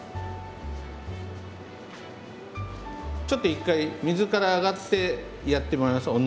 ちょっと１回水から上がってやってもらえます？